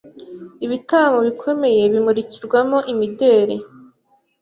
ibitaramo bikomeye bimurikirwamo imideri